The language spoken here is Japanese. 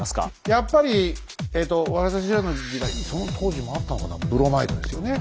やっぱり私らの時代その当時もあったのかなブロマイドですよね。